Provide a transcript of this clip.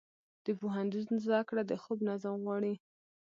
د پوهنتون زده کړه د خوب نظم غواړي.